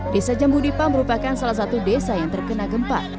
desa jambudipa merupakan salah satu desa yang terkena gempa